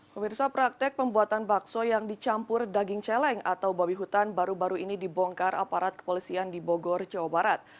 pemirsa praktek pembuatan bakso yang dicampur daging celeng atau babi hutan baru baru ini dibongkar aparat kepolisian di bogor jawa barat